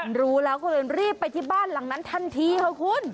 มันรู้แล้วก็เลยรีบไปที่บ้านหลังนั้นทันทีค่ะคุณ